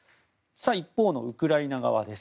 一方のウクライナ側です。